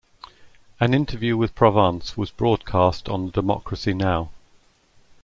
An interview with Provance was broadcast on the Democracy Now!